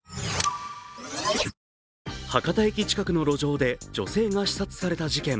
博多駅近くの路上で女性が刺殺された事件。